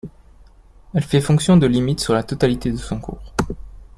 Elle fait fonction de limite sur la totalité de son cours.